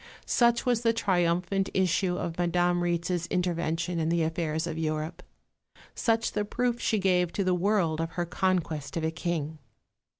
Such was the triumphant issue of Madame Rietz's intervention in the affairs of Europe; such the proof she gave to the world of her conquest of a King.